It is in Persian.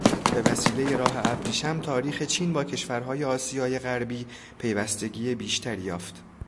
بوسیلهٔ راه ابریشم تاریخ چین با کشورهای آسیای غربی پیوستگی بیشتری یافت.